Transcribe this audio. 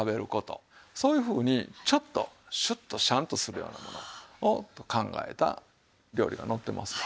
そういうふうにちょっとシュッとシャンとするようなものをと考えた料理が載ってますわ。